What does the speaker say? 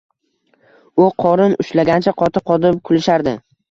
U qorin ushlagancha qotib-qotib kulishardi.